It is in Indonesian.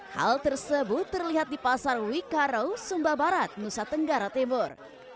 hal tersebut terlihat di pasar wikaro sumba barat nusa tenggara timur